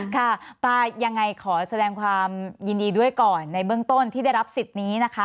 ค่ะปลายังไงขอแสดงความยินดีด้วยก่อนในเบื้องต้นที่ได้รับสิทธิ์นี้นะคะ